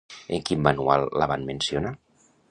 En quin manual la van mencionar?